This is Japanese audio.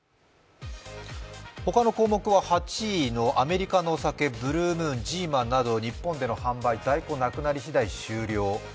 他の項目は８位のアメリカのお酒、ブルームーン、ジーマなど日本での販売、在庫がなくなりしだい終了。